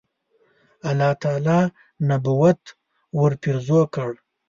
الله تعالی نبوت ورپېرزو کړ.